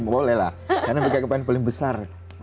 bolehlah karena bkkpn paling besar